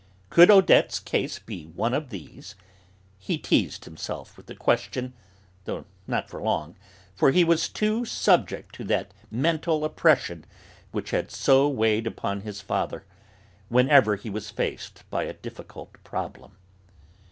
Could Odette's case be one of these? He teased himself with the question, though not for long, for he too was subject to that mental oppression which had so weighed upon his father, whenever he was faced by a difficult problem.